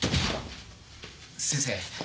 先生